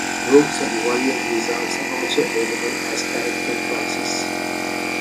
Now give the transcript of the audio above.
Rogues and Warrior-Wizards are also available as character classes.